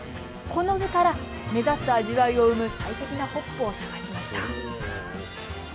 この図から目指す味わいを生む最適なホップを探します。